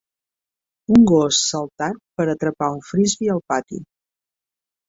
Un gos saltant per atrapar un frisbi al pati.